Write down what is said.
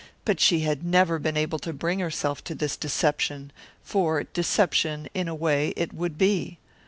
But she had never been able to bring herself to this deception, for deception, in a way, it would be.